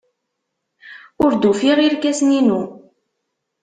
Ur d-ufiɣ irkasen-inu.